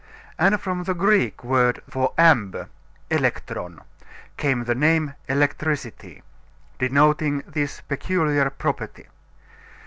And from the Greek word for amber elektron came the name electricity, denoting this peculiar property.